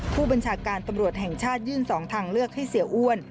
ผู้บัญชาการตำรวจแห่งชาติยื่น๒ทางเลือกให้เสียอ้วน